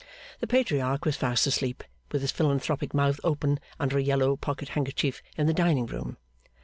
The Patriarch was fast asleep, with his philanthropic mouth open under a yellow pocket handkerchief in the dining room.